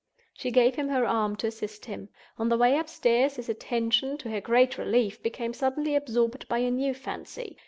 She gave him her arm to assist him. On the way upstairs his attention, to her great relief, became suddenly absorbed by a new fancy.